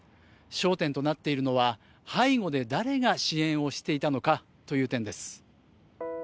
焦点となっているのは、背後で誰が支援をしていたのかという点です。